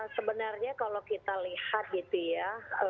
sebenarnya kalau kita lihat gitu ya